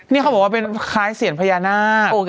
นี่เขาบอกว่าเป็นคล้ายเสียงพญานาค